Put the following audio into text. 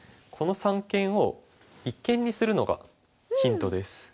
この三間を一間にするのがヒントです。